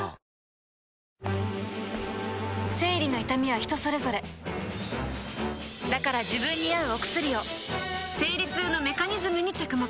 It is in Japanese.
生理の痛みは人それぞれだから自分に合うお薬を生理痛のメカニズムに着目